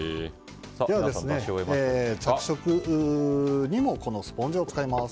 着色にもこのスポンジを使います。